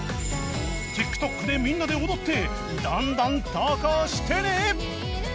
ＴｉｋＴｏｋ でみんなで踊ってどんどん投稿してね！